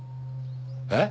え？